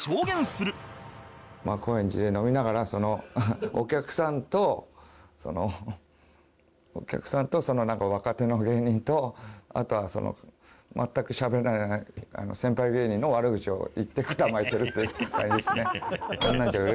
高円寺で飲みながらそのお客さんとそのお客さんとなんか若手の芸人とあとはその全くしゃべらない先輩芸人の悪口を言ってくだ巻いてるって感じですね。